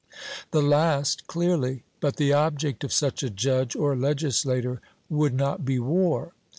'The last, clearly.' But the object of such a judge or legislator would not be war.